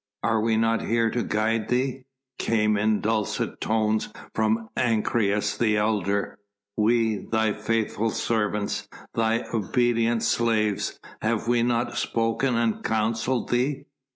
"Are we not here to guide thee?" came in dulcet tones from Ancyrus, the elder; "we, thy faithful servants, thy obedient slaves? Have we not spoken and counselled thee?"